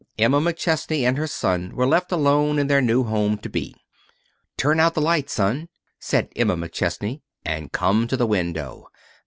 Emma McChesney and her son were left alone in their new home to be. "Turn out the light, son," said Emma McChesney, "and come to the window.